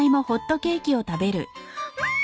うん！